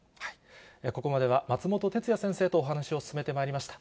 ここまでは松本哲哉先生とお話を進めてまいりました。